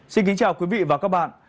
xin kính chào quý vị và các bạn